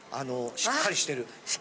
しっかりしてる！